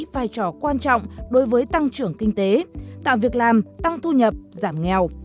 vai trò quan trọng đối với tăng trưởng kinh tế tạo việc làm tăng thu nhập giảm nghèo